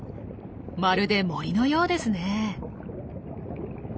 まるで森のようですね。